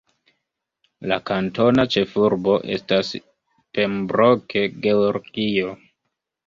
La kantona ĉefurbo estas Pembroke, Georgio.